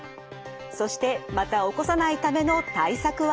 そしてまた起こさないための対策は？